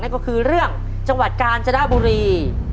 นั่นก็คือเรื่องจังหวัดกาลจราบุรี